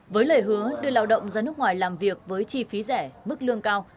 với lời hứa đưa lao động ra nước ngoài làm việc với chi phí rẻ mức lương cao